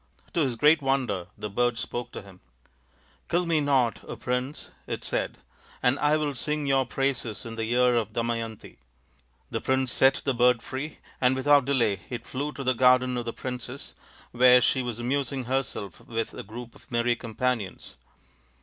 To his great wonder the bird spoke to him. " Kill me not, Prince," it said, "and I will sing your praises in the ear of Damayanti." The prince set the bird free, and without delay it 122 THE INDIAN STORY BOOK flew to the garden of the princess, where she was amusing herself with a group of merry companions.